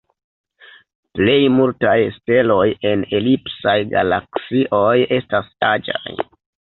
Plej multaj steloj en elipsaj galaksioj estas aĝaj.